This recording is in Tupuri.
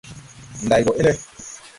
Nday gɔ ene?